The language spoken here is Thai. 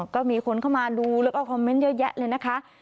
ก็มีคนเข้ามาดูแล้วก็คอมเมนต์เยอะแยะเลยนะคะ